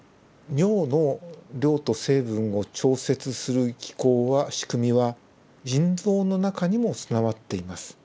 尿の量と成分を調節する機構は仕組みは腎臓の中にも備わっています。